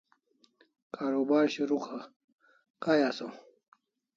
karubar shurukh kai asaw